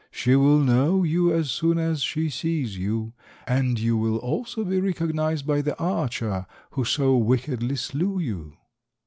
She will know you as soon as she sees you, and you will also be recognised by the archer who so wickedly slew you."